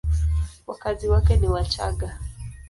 Wakazi wake ni Wachagga.